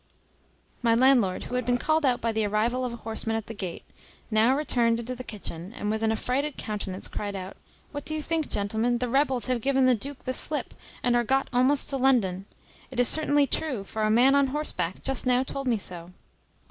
_ My landlord, who had been called out by the arrival of a horseman at the gate, now returned into the kitchen, and with an affrighted countenance cried out, "What do you think, gentlemen? The rebels have given the duke the slip, and are got almost to London. It is certainly true, for a man on horseback just now told me so."